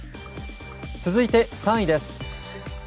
続いて３位です。